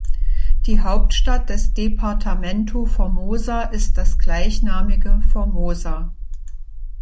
Die Hauptstadt des Departamento Formosa ist das gleichnamige Formosa.